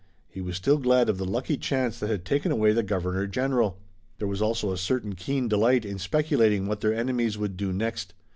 He was still glad of the lucky chance that had taken away the Governor General. There was also a certain keen delight in speculating what their enemies would do next.